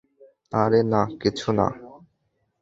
আরে না, কিছু না।